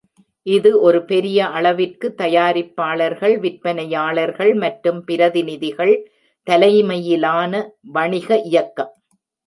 இது ஒரு பெரிய அளவிற்கு தயாரிப்பாளர்கள், விற்பனையாளர்கள் மற்றும் பிரதிநிதிகள் தலைமையிலான வணிக இயக்கம்.